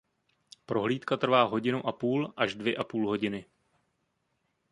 Prohlídka trvá hodinu a půl až dvě a půl hodiny.